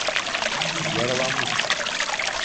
Yaralanmış…